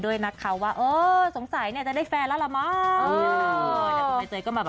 ด้วยนักเขาว่าเออสงสัยเนี่ยจะได้แฟนแล้วล่ะมาแต่ผมไปเจ๋ยก็มา